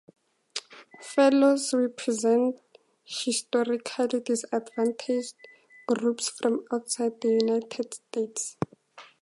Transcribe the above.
Fellows represent historically disadvantaged groups from outside the United States.